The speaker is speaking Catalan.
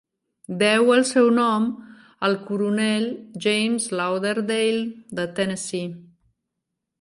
Deu el seu nom al coronel James Lauderdale, de Tennessee.